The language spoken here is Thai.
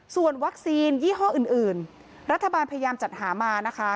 ส่วนวัคซีนยี่ห้ออื่นรัฐบาลพยายามจัดหามานะคะ